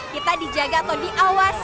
kita dijaga atau diawas